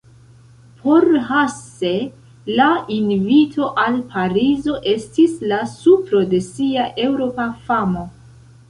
Por Hasse la invito al Parizo estis la supro de sia Eŭropa famo.